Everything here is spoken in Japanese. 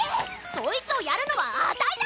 そいつをやるのはあたいだ！